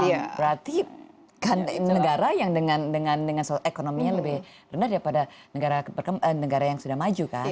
iya berarti kan negara yang dengan ekonominya lebih rendah daripada negara yang sudah maju kan